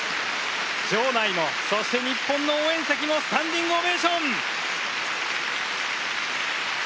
場内もそして日本の応援席もスタンディングオベーション！